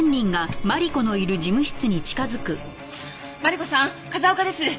マリコさん風丘です。